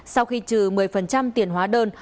sau khi trừ một mươi tiền hóa đơn